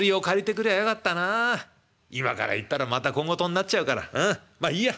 今から行ったらまた小言になっちゃうからまあいいや。